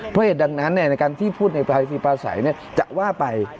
เพราะเหตุดังนั้นในการที่พูดในภายฟีปลาใสจะว่าไป